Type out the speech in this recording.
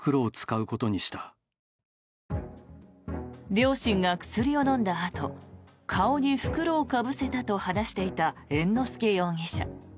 両親が薬を飲んだあと顔に袋をかぶせたと話していた猿之助容疑者。